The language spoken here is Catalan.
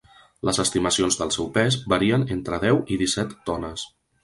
Les estimacions del seu pes varien entre deu i disset tones.